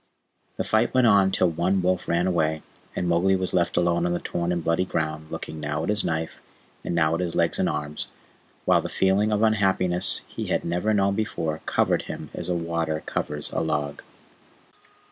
The fight went on till one wolf ran away, and Mowgli was left alone on the torn and bloody ground, looking now at his knife, and now at his legs and arms, while the feeling of unhappiness he had never known before covered him as water covers a log.